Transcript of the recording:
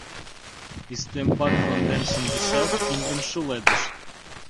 Ӱстембак конден шындышат, киндым шуледыш.